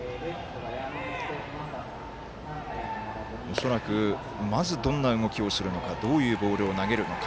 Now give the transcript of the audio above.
恐らくまずどんな動きをするのかどういうボールを投げるのか。